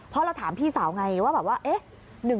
เพราะเราถามพี่สาวไงว่าแบบว่าเอ๊ะ